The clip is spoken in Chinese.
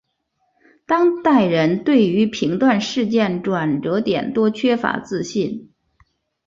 当代人对于评断事件转捩点多缺乏自信。